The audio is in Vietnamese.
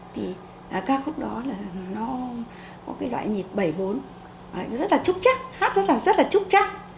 thì ca khúc đó là nó có cái loại nhịp bảy bốn rất là chúc chắc hát rất là chúc chắc